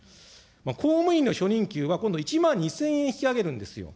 公務員の初任給は、今度、１万２０００円引き上げるんですよ。